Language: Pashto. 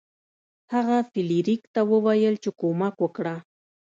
هغه فلیریک ته وویل چې کومک وکړه.